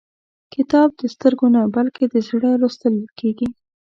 کتاب د سترګو نه، بلکې د زړه لوستل کېږي.